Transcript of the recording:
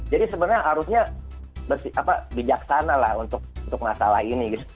jadi sebenarnya harusnya bijaksana lah untuk masalah ini